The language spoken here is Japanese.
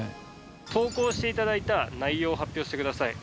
投稿して頂いた内容を発表してください。